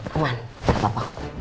koman gak papa